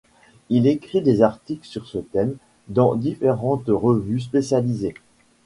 Il écrit des articles sur ce thème dans différentes revues spécialisées.